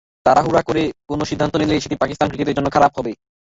তাড়াহুড়ো করে কোনো সিদ্ধান্ত নিলে সেটি পাকিস্তান ক্রিকেটের জন্য খারাপ হবে।